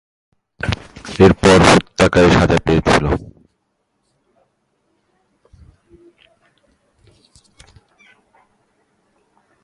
এর পরে হত্যাকারী সাজা পেয়েছিল।